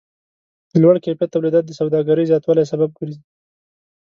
د لوړ کیفیت تولیدات د سوداګرۍ زیاتوالی سبب ګرځي.